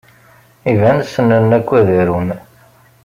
Iban ssnen akk ad arun.